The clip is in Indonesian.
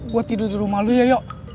gue tidur di rumah lo ya yok